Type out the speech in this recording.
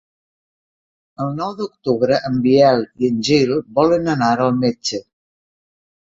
El nou d'octubre en Biel i en Gil volen anar al metge.